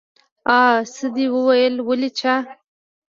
آ څه دې وويلې ولې چا.